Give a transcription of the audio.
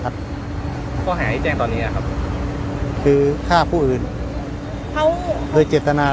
ครั้งนี้โดยเยียมไทย